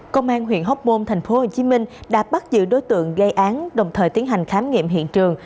công an huyện hóc môn tp hcm đã bắt giữ đối tượng gây án đồng thời tiến hành khám nghiệm hiện trường